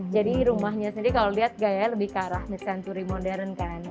jadi rumahnya sendiri kalau lihat gaya lebih ke arah besanturi modern kan